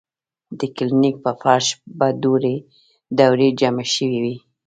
د کلینک پۀ فرش به دوړې جمع شوې وې ـ